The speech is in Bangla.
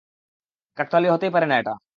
কাকতালীয় হতেই পারে না এটা।